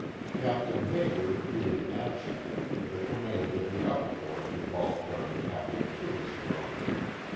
Capt. Hager being absent, the command of the upper fort devolved on Capt. Tunis Vrooman.